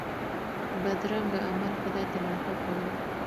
بدرنګه عمل خدای ته ناخوښه وي